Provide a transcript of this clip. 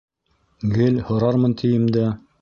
Гел һорармын тием дә...